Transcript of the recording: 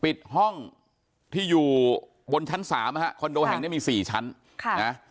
ปิดห้องที่อยู่บนชั้นสามนะฮะคอนโดแห่งนี้มีสี่ชั้นค่ะนะ